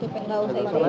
ketua komisi a